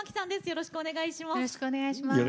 よろしくお願いします。